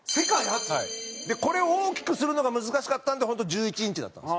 これを大きくするのが難しかったんで本当１１インチだったんですよ。